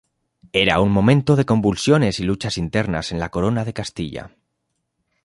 Era un momento de convulsiones y luchas internas en la Corona de Castilla.